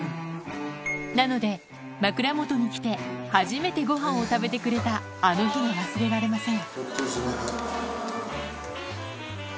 なので、枕元に来て初めてごはんを食べてくれた、あの日が忘れられません。